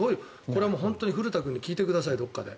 これはもう本当に古田君に聞いてください、どこかで。